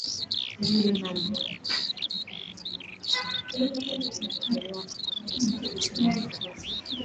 Kondoo na mbuzi kupelekwa kwenye malisho yaliyoathiriwa na kupe husababisha maambukizi